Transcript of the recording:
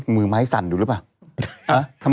มือม้ายสั่นอยู่รึเปล่า